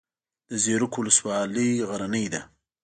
د زیروک ولسوالۍ غرنۍ ده